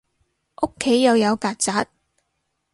屋企又有曱甴